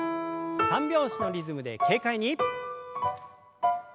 三拍子のリズムで軽快に。